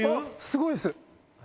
すごいです。